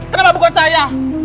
kenapa bukan saya